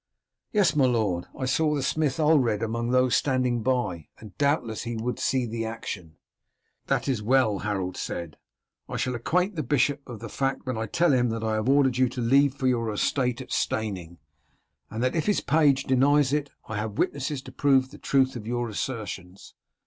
"Yes, my lord; I saw the smith Ulred among those standing by, and doubtless he would see the action." "That is well," Harold said. "I shall acquaint the bishop with the fact when I tell him that I have ordered you to leave for your estate at Steyning, and that if his page denies it, I have witnesses to prove the truth of your assertions.